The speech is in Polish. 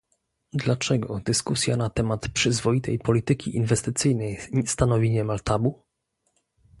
Dlaczego dyskusja na temat przyzwoitej polityki inwestycyjnej stanowi niemal tabu?